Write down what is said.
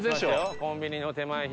コンビニの手前左。